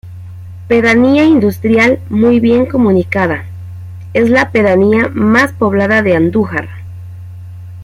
Pedanía industrial muy bien comunicada, es la pedanía más poblada de Andújar.